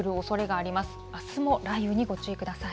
あすも雷雨にご注意ください。